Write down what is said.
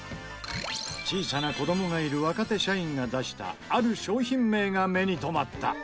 小さな子どもがいる若手社員が出したある商品名が目に留まった。